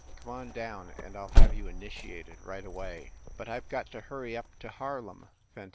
Come on down, and I ll have you initiated right away !" "But I ve got to hurry up to Harlem!"